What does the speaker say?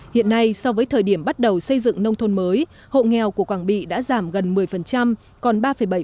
hiện nay so với thời điểm bắt đầu xây dựng nông thôn mới hộ nghèo của quảng bị đã giảm gần một mươi còn ba bảy